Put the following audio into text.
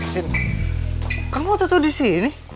tin kamu waktu tuh di sini